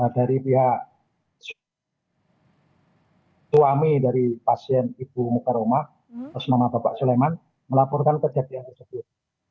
dari pihak suami dari pasien ibu mukaroma atas nama bapak suleman melaporkan kejadian tersebut